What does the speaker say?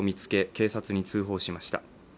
警察に通報しました。